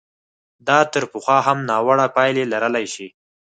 دا تر پخوا هم ناوړه پایلې لرلای شي.